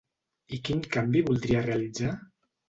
I quin canvi voldria realitzar?